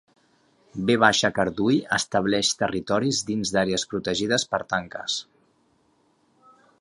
"V. cardui" estableix territoris dins d'àrees protegides per tanques.